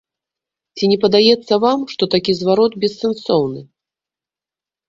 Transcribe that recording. Ці не падаецца вам, што такі зварот бессэнсоўны?